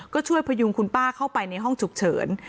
ก็ช่วยพยุงคุณป้าเข้าไปในห้องฉุกเฉิน